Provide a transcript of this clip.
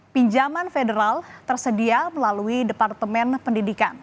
pinjaman federal tersedia melalui departemen pendidikan